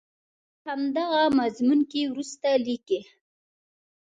په همدغه مضمون کې وروسته لیکي.